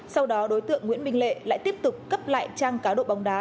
sau đó đối tượng nguyễn minh lệ lại tiếp tục cấp lại trang cá độ bóng đá